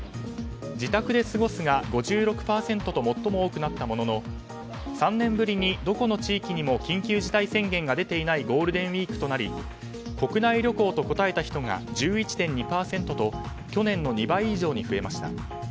自宅で過ごすが５６％と最も多くなったものの３年ぶりにどこの地域にも緊急事態宣言が出ていないゴールデンウィークとなり国内旅行と答えた人が１１．２％と去年の２倍以上に増えました。